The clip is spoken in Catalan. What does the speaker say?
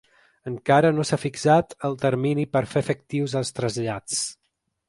Encara no s’ha fixat el termini per a fer efectius els trasllats.